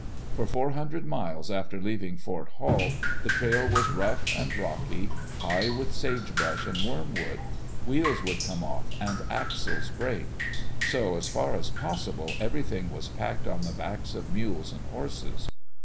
For four hundred miles after leaving Fort Hall the trail was rough and rocky, high with sagebrush and wormwood. Wheels would come off and axles break. So, as far as possible, everything was packed on the backs of mules and horses.